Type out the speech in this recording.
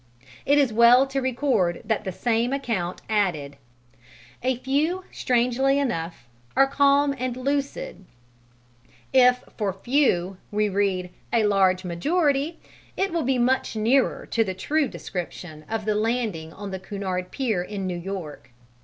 It is well to record that the same account added: "A few, strangely enough, are calm and lucid"; if for "few" we read "a large majority," it will be much nearer the true description of the landing on the Cunard pier in New York.